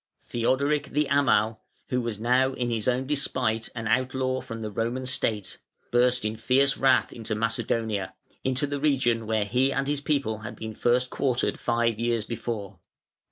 Theodoric the Amal, who was now in his own despite (479) an outlaw from the Roman State, burst in fierce wrath into Macedonia, into the region where he and his people had been first quartered five years before.